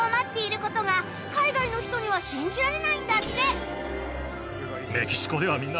海外の人には信じられないんだって。